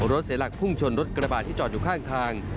เสียหลักพุ่งชนรถกระบาดที่จอดอยู่ข้างทาง